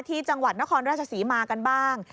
ที่จังหวัดนครราชศรีมากันบ้าง